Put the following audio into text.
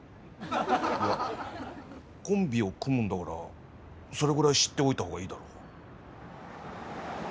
いやコンビを組むんだからそれぐらい知っておいたほうがいいだろ？